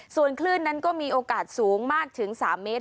ส่วนคลื่นนั้นก็มีโอกาสสูงมากถึง๓เมตร